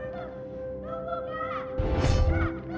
tunggu dulu pak